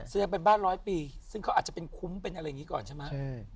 แสดงเป็นบ้านร้อยปีซึ่งเขาอาจจะเป็นคุ้มเป็นอะไรอย่างนี้ก่อนใช่ไหม